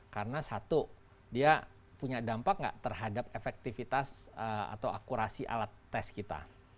karena satu dia punya dampak tidak terhadap efektivitas atau akurasi alat tes kita